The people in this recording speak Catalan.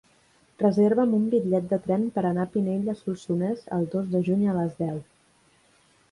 Reserva'm un bitllet de tren per anar a Pinell de Solsonès el dos de juny a les deu.